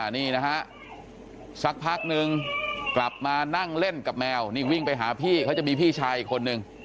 นี่นะฮะสักพักนึงกลับมานั่งเล่นกับแมวนี่วิ่งไปหาพี่เขาจะมีพี่ชายอีกคนนึง